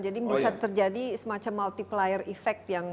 jadi bisa terjadi semacam multiplier effect